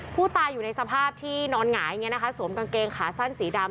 ผู้ตายอยู่ในสภาพที่นอนหงายอย่างนี้นะคะสวมกางเกงขาสั้นสีดำ